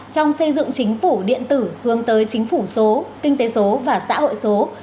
trong xây dựng chính phủ điện tử hướng tới chính phủ số kinh tế số và xã hội số